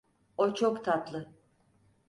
O çok tatlı.